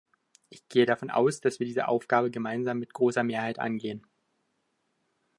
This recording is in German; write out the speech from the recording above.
Ich gehe davon aus, dass wir diese Aufgabe gemeinsam mit großer Mehrheit angehen.